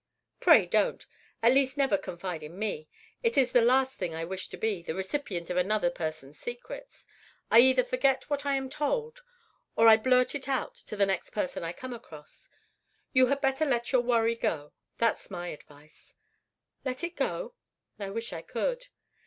"Pray, don't; at least never confide in me. It is the last thing I wish to be—the recipient of another person's secrets. I either forget what I am told, or I blurt it out to the next person I come across. You had better let your worry go; that's my advice." "Let it go? I wish I could."